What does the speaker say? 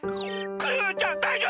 クヨヨちゃんだいじょうぶ！？